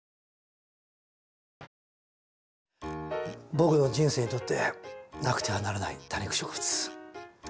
僕の人生にとってなくてはならない「多肉植物」。